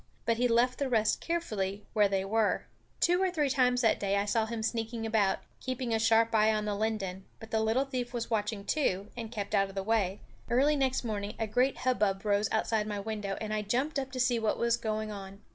But he left the rest carefully where they were. Two or three times that day I saw him sneaking about, keeping a sharp eye on the linden; but the little thief was watching too, and kept out of the way. Early next morning a great hubbub rose outside my window, and I jumped up to see what was going on.